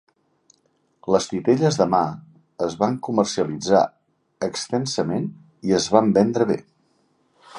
Les titelles de mà es van comercialitzar extensament i es van vendre bé.